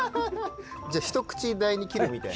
一口大に切るみたいな。